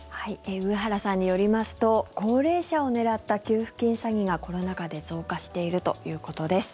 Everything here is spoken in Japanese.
上原さんによりますと高齢者を狙った給付金詐欺がコロナ禍で増加しているということです。